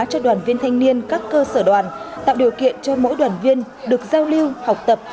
cho đoàn viên thanh niên các cơ sở đoàn tạo điều kiện cho mỗi đoàn viên được giao lưu học tập